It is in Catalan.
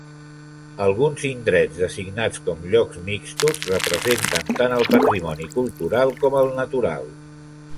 Alguns indrets, designats com "llocs mixtos", representen tant el patrimoni cultural com el natural.